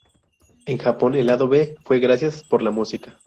En Japón el lado B fue "Gracias por la música".